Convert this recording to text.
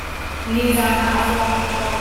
Nizaan ah zawng a tho.